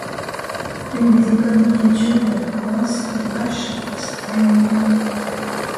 Une des écoles miniatures de la province rājasthāni.